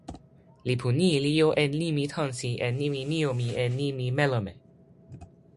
lipu ni li jo e nimi tonsi e nimi mijomi e nimi melome.